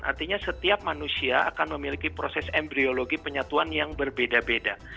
artinya setiap manusia akan memiliki proses embryologi penyatuan yang berbeda beda